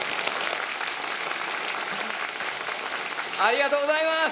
ありがとうございます。